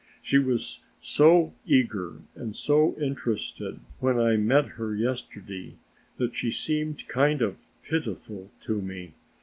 She was so eager and so interested when I met her yesterday that she seemed kind of pitiful to me.